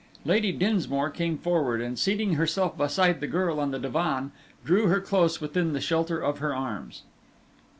Lady Dinsmore came forward, and seating herself beside the girl upon the divan, drew her close within the shelter of her arms.